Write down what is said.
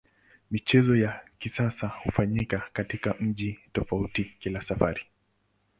Michezo ya kisasa hufanyika katika mji tofauti kila safari.